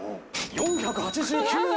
４８９円。